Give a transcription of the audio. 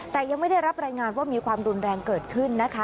แต่ยังไม่ได้รับรายงานว่ามีความรุนแรงเกิดขึ้นนะคะ